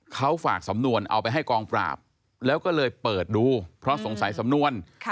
เขาฝากสำนวนเอาไปให้กองปราบแล้วก็เลยเปิดดูเพราะสงสัยสำนวน